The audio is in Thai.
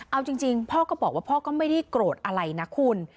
เอาจริงพ่อก็บอกว่าพ่อก็ไม่ได้โกรธอะไรนะคุณ